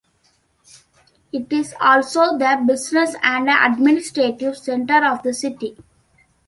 It is also the business and administrative centre of the city.